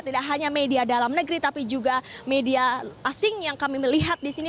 tidak hanya media dalam negeri tapi juga media asing yang kami melihat di sini